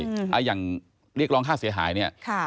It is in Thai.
อย่างเรียกร้องค่าเสียหาย